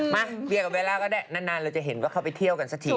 มาเบียร์กับเวลาก็ได้นานเราจะเห็นว่าเขาไปเที่ยวกันสักที